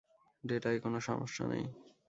ডেটায় কোনো সমস্যা নেই।